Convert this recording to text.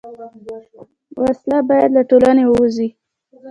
وسله باید له ټولنې ووځي